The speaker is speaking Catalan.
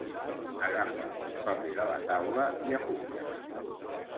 Agafa un paper de la taula i apunta.